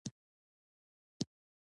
موبایل له موږ سره په ژباړه کې مرسته کوي.